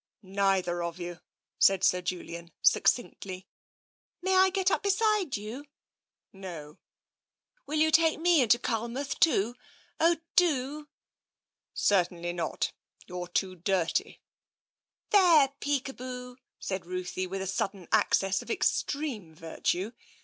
Neither of you," said Sir Julian succinctly. May I get up beside you ?" <t XT^ "D I— .1 I "VT^i. I ♦» <t it " No." " Will you take me into Culmouth too ? Oh, do !" (t 99 Certainly not. You are too dirty." There, Peekaboo," said Ruthie, with a sudden access of extreme virtue.